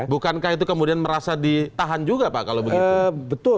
bukankah itu kemudian merasa ditahan juga pak kalau begitu